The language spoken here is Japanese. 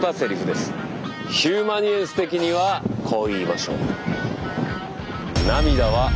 「ヒューマニエンス」的にはこう言いましょう。